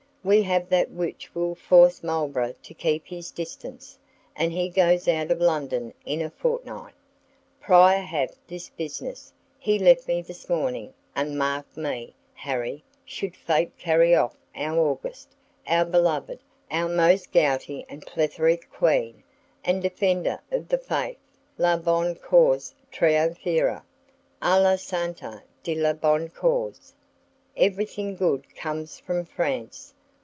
"We have that which will force Marlborough to keep his distance, and he goes out of London in a fortnight. Prior hath his business; he left me this morning, and mark me, Harry, should fate carry off our august, our beloved, our most gouty and plethoric Queen, and Defender of the Faith, la bonne cause triomphera. A la sante de la bonne cause! Everything good comes from France.